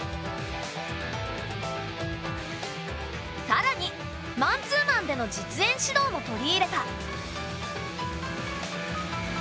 さらにマンツーマンでの実演指導も取り入れた。